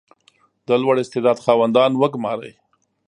• د لوړ استعداد خاوندان وګمارئ.